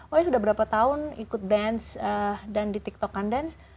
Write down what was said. oh ya sudah berapa tahun ikut dance dan di tiktok kan dance